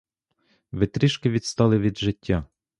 Ви трішки відстали від життя.